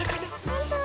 ほんとだ！